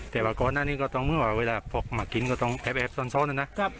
แต่ว่าก่อนอันนี้ก็ต้องมึงว่าว่าเวลาฟอกมากินก็ต้องแอ๊บซ้อนน่ะ